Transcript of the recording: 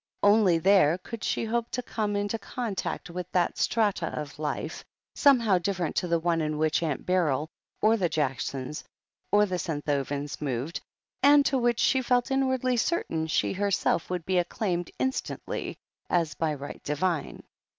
Only there could she hope to come into contact with that strata of life, somehow different to the one in which Aunt Beryl, or the Jacksons, or the Senthovens moved, and to which, she felt inwardly certain, she herself would be acclaimed instantly as by right divine.